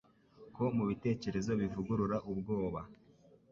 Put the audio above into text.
ko mubitekerezo bivugurura ubwoba